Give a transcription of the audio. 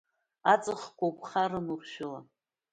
Аҵхқәа уԥхаран уршәыла…